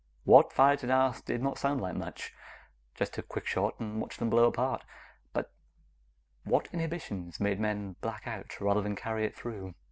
What Varret had asked did not sound like much. Just a quick shot and watch them blow apart. What inhibitions made men black out rather than carry it through?